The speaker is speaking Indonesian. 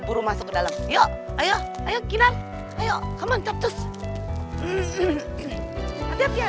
orang muda ini tidak akan diterima